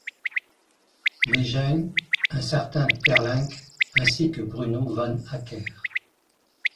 Legein, un certain Teirlinck ainsi que Bruno van Ackere.